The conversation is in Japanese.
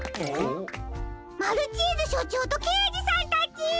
マルチーズしょちょうとけいじさんたち！